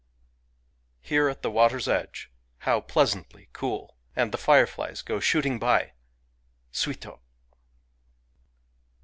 Here at the water's edge, how pleasantly cool! — and the fireflies go shooting by — suito!